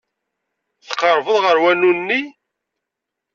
Tqerrbeḍ ɣer wanu-nni.